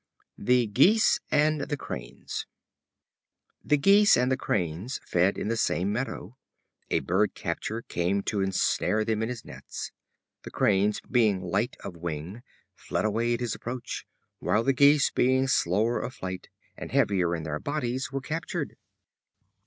The Geese and the Cranes. The Geese and the Cranes fed in the same meadow. A bird catcher came to ensnare them in his nets. The Cranes, being light of wing, fled away at his approach; while the Geese, being slower of flight and heavier in their bodies, were captured.